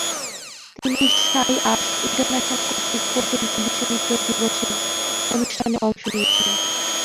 তিনি Sai arts international কর্তৃক পরিচালিত বিশ্ব নৃত্য দিবসের অনুষ্ঠানে অংশ নিয়েছেন।